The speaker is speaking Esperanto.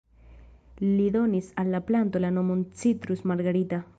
Li donis al la planto la nomon "Citrus margarita".